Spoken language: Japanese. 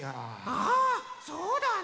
ああそうだね。